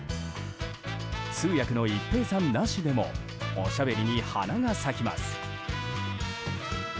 通訳の一平さんなしでもおしゃべりに花が咲きます。